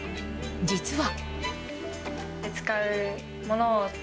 実は。